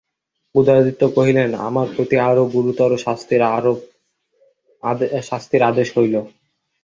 উদয়াদিত্য কহিলেন, আমার প্রতি আরো গুরুতর শাস্তির আদেশ হইল।